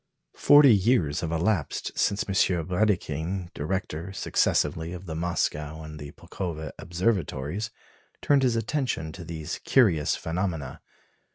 Forty years have elapsed since M. Brédikhine, director successively of the Moscow and of the Pulkowa Observatories, turned his attention to these curious phenomena.